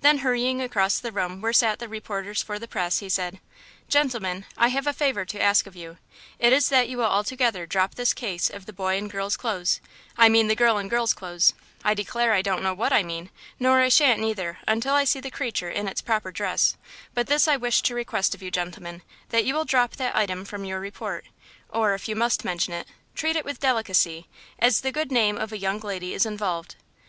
Then, hurrying across the room where sat the reporters for the press, he said: "Gentlemen, I have a favor to ask of you; it is that you will altogether drop this case of the boy in girl's clothes–I mean the girl in girl's clothes–I declare I don't know what I mean; nor I shan't, neither, until I see the creature in its proper dress, but this I wish to request of you, gentlemen, that you will drop that item from your report, or if you must mention it, treat it with delicacy, as the good name of a young lady is involved."